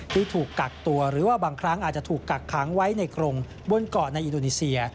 ที่ถูกกักตัวหรือว่าบางครั้งอาจจะถูกกักขังไว้ในกรงบนเกาะในอินโดนีเซีย